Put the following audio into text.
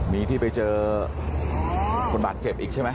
มีที่ไปเจอคนบาดเจ็บอีกใช่ไหม